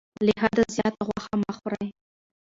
له حده زیاته غوښه مه خورئ.